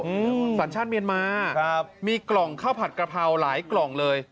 อืมสัญชาติเมียนมาครับมีกล่องข้าวผัดกระเพราหลายกล่องเลย